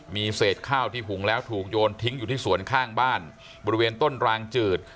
มีเศษข้าวที่หุงแล้วถูกโยนทิ้งอยู่ที่สวนข้างบ้านบริเวณต้นรางจืด